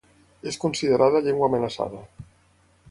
És considerada llengua amenaçada.